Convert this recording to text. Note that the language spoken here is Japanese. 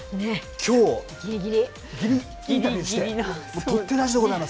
きょう、インタビューしてとってだしでございます。